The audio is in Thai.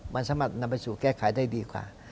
มันสามารถนำไปสู่แก้ไขได้ดีกว่า